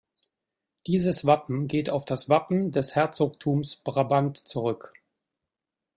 Dieses Wappen geht auf das Wappen des Herzogtums Brabant zurück.